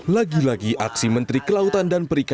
lagi lagi aksi menteri kelautan dan perikanan